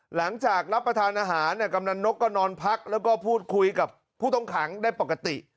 หลังจากรับประทานอาหารกำนันนกก็นอนพักแล้วก็พูดคุยกับผู้ต้องขังได้ปกติ